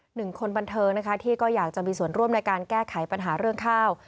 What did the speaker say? หนึ่งคนบันเทิงนะคะที่ก็อยากจะมีส่วนร่วมในการแก้ไขปัญหาเรื่องข้าว